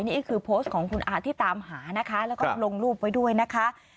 นี่คือโพสต์ของคุณอาที่ตามหานะคะแล้วก็ลงรูปไว้ด้วยนะคะ